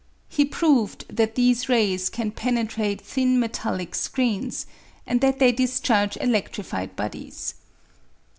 He proved that these rays can penetrate thin metallic screens, and that they discharge eledtrified bodies.